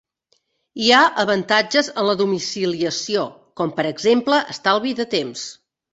Hi ha avantatges en la domiciliació, com per exemple estalvi de temps.